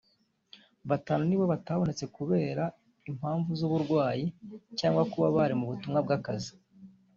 batanu nibo batabonetse kubera impamvu z’uburwayi cyangwa kuba bari mu butumwa bw’akazi